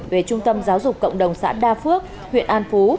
về trung tâm giáo dục cộng đồng xã đa phước huyện an phú